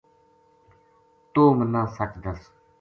توہ منا سچ دس ‘‘